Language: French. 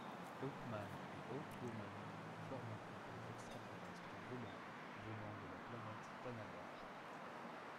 Hawkman et Hawkwoman forment un couple d'extra-terrestres volants venant de la planète Thanagar.